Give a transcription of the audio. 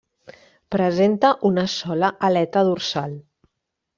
Presenta una sola aleta dorsal.